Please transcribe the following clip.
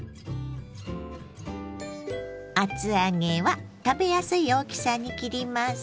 厚揚げは食べやすい大きさに切ります。